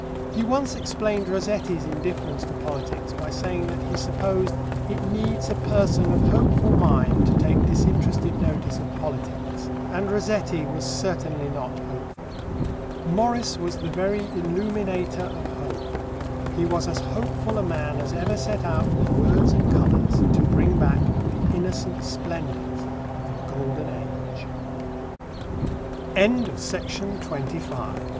He once explained Rossetti's indifference to politics by saying that he supposed "it needs a person of hopeful mind to take disinterested notice of politics, and Rossetti was certainly not hopeful." Morris was the very illuminator of hope. He was as hopeful a man as ever set out with words and colours to bring back the innocent splendours of the Golden Age. XVI. GEORGE MEREDITH (1) THE EGOIST Ge